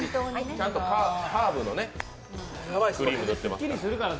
ちゃんとハーブのクリーム塗ってますから。